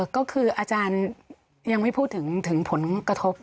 ก็คืออาจารย์ยังไม่พูดถึงผลกระทบ